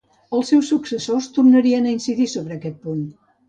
Els seus successors tornarien a incidir sobre aquest punt.